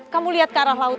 kamu lihat ke arah laut